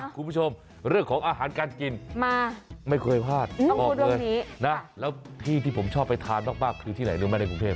คุณผู้ชมเรื่องของอาหารการกินไม่เคยพลาดบอกเลยนะแล้วที่ที่ผมชอบไปทานมากคือที่ไหนรู้ไหมในกรุงเทพ